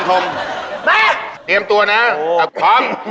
เตรียมตัวนะหยิว